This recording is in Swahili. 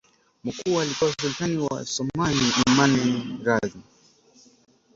mkuu alikuwa Sultani wa Waosmani Imani rasmi